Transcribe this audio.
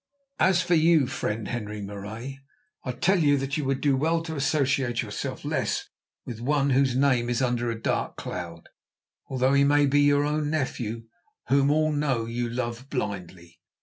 As for you, friend Henri Marais, I tell you that you would do well to associate yourself less with one whose name is under so dark a cloud, although he may be your own nephew, whom all know you love blindly."